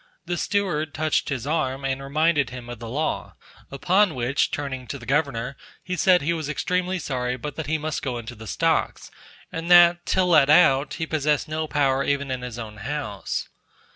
The steward touched his arm, and reminded him of the law; upon which turning to the Governor, he said he was extremely sorry, but that he must go into the stocks, and that till let out, he possessed no power even in his own house.